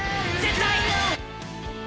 絶対！